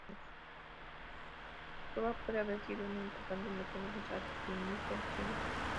La pólvora puede haber sido una importante invención de los alquimistas chinos.